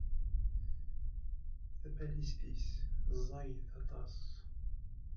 Tabalizt-is ẓẓayet aṭas.